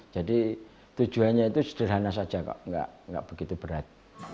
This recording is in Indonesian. jadi tujuannya itu sederhana saja enggak begitu berat